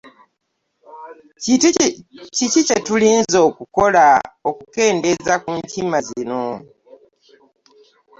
Kiki kyetulinza okukola okukendeza ku nkima zino?